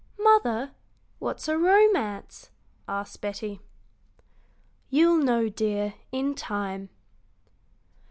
"Mother, what's a romance?" asked Betty. "You'll know, dear, in time."